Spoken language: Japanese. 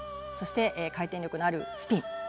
そして、回転力のあるスピン。